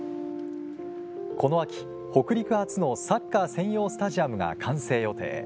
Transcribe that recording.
この秋、北陸初のサッカー専用スタジアムが完成予定。